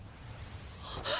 あっ！